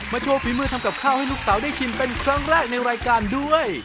โชว์ฝีมือทำกับข้าวให้ลูกเต๋าได้ชิมเป็นครั้งแรกในรายการด้วย